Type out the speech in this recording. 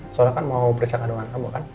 soalnya kan mau periksa kandungan kamu kan